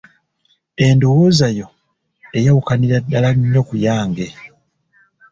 Endowooza yo eyawukanira ddala nnyo kuyange.